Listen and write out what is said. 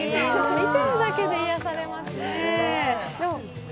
見てるだけで癒やされますね。